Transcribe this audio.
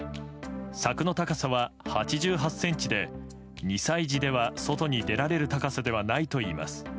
柵の高さは８８ｃｍで２歳児では、外に出られる高さではないといいます。